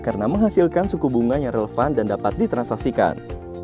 karena menghasilkan suku bunga yang relevan dan dapat ditransaksikan